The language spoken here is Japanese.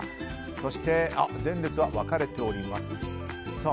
そして前列は分かれております。